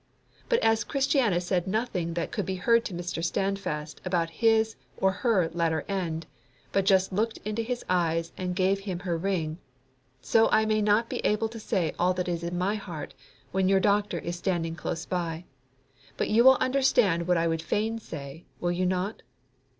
But as Christiana said nothing that could be heard to Mr. Standfast about his or her latter end, but just looked into his eyes and gave him her ring, so I may not be able to say all that is in my heart when your doctor is standing close by. But you will understand what I would fain say, will you not?